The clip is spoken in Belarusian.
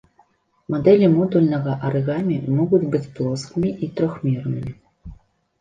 Мадэлі модульнага арыгамі могуць быць плоскімі і трохмернымі.